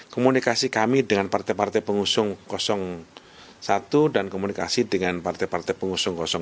komunikasi kami dengan partai partai pengusung satu dan komunikasi dengan partai partai pengusung dua